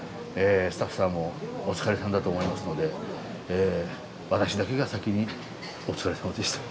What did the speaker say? スタッフさんもお疲れさんだと思いますので私だけが先にお疲れさまでした。